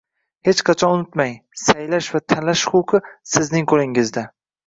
Hech qachon unutmang, saylash va tanlash huquqi – Sizning qo‘lingizda.